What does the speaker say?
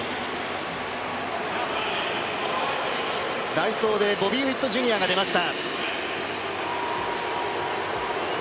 代走でボビー・ウィットＪｒ．が出ました。